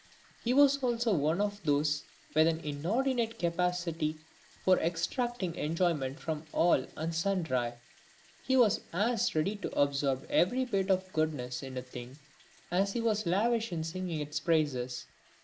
He was also one of those with an inordinate capacity for extracting enjoyment from all and sundry. He was as ready to absorb every bit of goodness in a thing as he was lavish in singing its praises.